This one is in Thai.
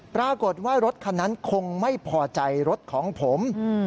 ปรากฏว่ารถคันนั้นคงไม่พอใจรถของผม